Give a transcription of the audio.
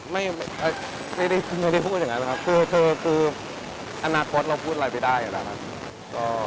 ไม่ได้พูดอย่างนั้นนะครับคืออนาคตเราพูดอะไรไปได้นะครับ